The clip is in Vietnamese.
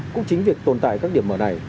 cũng chính việc tồn tại các điểm mở này